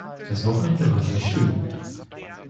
Das Wochenende war sehr schón.